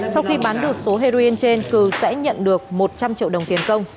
sau khi bán được số heroin trên cường sẽ nhận được một trăm linh triệu đồng tiền công